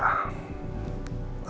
aku juga ingin ngajak elsa